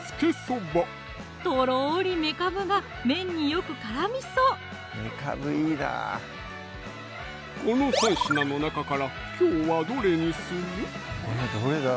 とろりめかぶが麺によく絡みそうこの３品の中からきょうはどれにする？